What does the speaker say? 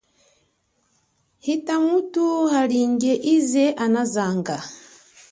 Hita muthu alinge ize anazanga.